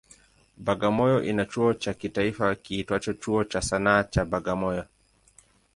Bagamoyo ina chuo cha kitaifa kiitwacho Chuo cha Sanaa cha Bagamoyo.